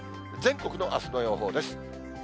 全国のあすの予報です。